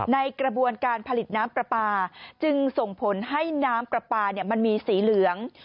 ในกระบวนการผลิตน้ำปลาปลาจึงส่งผลให้น้ำปลาปลามันมีสีเหลือง